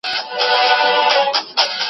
سرور